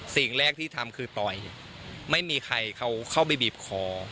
สิ่งแรกที่ทำคือปล่อยไม่มีใครเขาเข้าไปบีบคอ